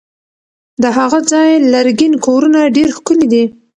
د هغه ځای لرګین کورونه ډېر ښکلي دي.